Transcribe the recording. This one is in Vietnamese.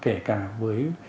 kể cả với